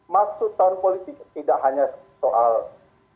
maksud tahun politik tidak hanya soal